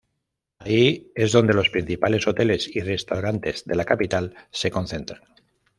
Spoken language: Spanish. Ahí es donde los principales hoteles y restaurantes de la capital se concentran.